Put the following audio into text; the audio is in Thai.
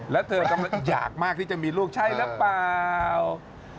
แล้วเธอกำลังอยากมากที่จะมีลูกใช่หรือเปล่า